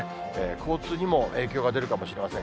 交通にも影響が出るかもしれません。